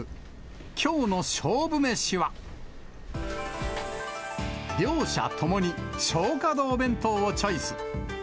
きょうの勝負メシは。両者ともに松花堂弁当をチョイス。